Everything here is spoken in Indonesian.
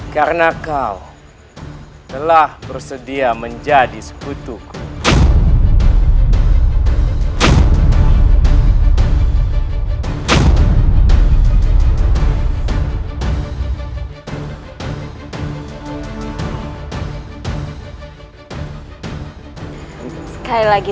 karena kau telah bersedia menjadi seputuku